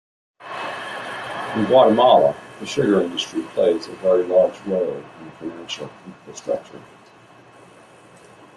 In Guatemala, the Sugar industry plays a very large role in the financial infrastructure.